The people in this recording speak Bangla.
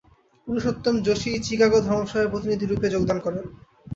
পুরুষোত্তম যোশী চিকাগো ধর্মসভায় প্রতিনিধিরূপে যোগদান করেন।